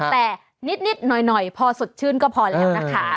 แต่นิดหน่อยพอสดชื่นก็พอแล้วนะคะ